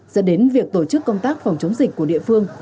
dẫn đến việc tổ chức công tác phòng chống dịch của địa phương